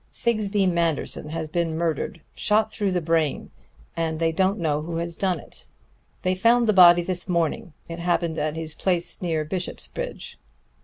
"Sigsbee Manderson has been murdered shot through the brain and they don't know who has done it. They found the body this morning. It happened at his place near Bishopsbridge."